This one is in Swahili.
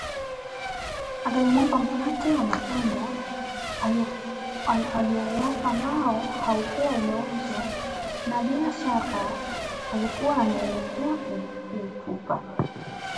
Angelimwomba mkate wa matunda aliouoka ambao hakuwa ameuuza na bila shaka alikuwa anaelekea kuutupa